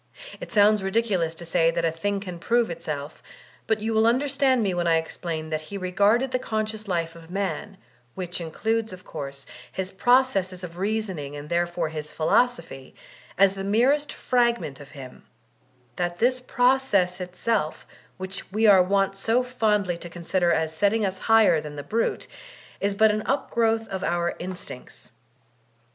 It sounds ridiculous to say that a thing can prove itself ; but you will under stand me when I explain that he r^arded the conscious life of man, which includes, of course, his processes of reasoning and therefore his philosophy, as the merest fragment of him; that this process itself, which we are wont so fondly to consider as setting us higher than the brute, is but an upgrowth of our instincts.